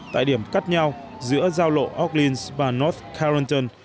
tại điểm cắt nhau giữa giao lộ auckland và north carrington